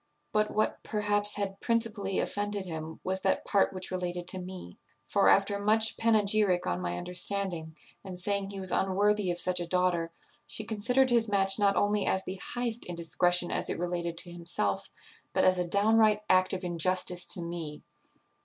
But what, perhaps, had principally offended him was that part which related to me; for, after much panegyric on my understanding, and saying he was unworthy of such a daughter, she considered his match not only as the highest indiscretion as it related to himself, but as a downright act of injustice to me.